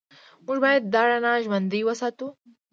موږ باید دا رڼا ژوندۍ وساتو.